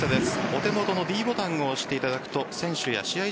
お手元のｄボタンを押していただくと選手の試合